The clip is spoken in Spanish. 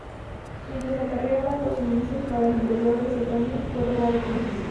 Mientras acarreaba los suministros para el interior ese otoño, fue robado por los indios.